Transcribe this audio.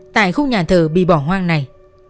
tại khu nhà thờ bị bỏ hoang này